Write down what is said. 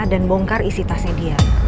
dan bongkar isi tasnya dia